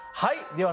では